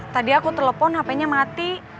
tadi aku telepon hpnya mati